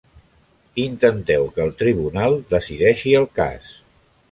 Intenteu que el tribunal decideixi el cas.